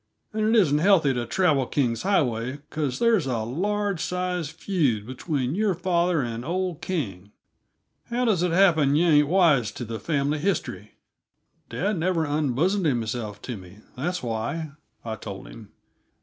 And it isn't healthy to travel King's Highway, because there's a large sized feud between your father and old King. How does it happen yuh aren't wise to the family history?" "Dad never unbosomed himself to me, that's why," I told him.